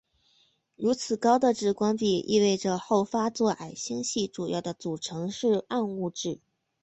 如此高的质光比意味着后发座矮星系主要的组成是暗物质。